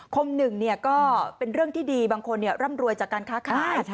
คมหนึ่งเนี่ยก็เป็นเรื่องที่ดีบางคนเนี่ยร่ำรวยจากการค้าคาด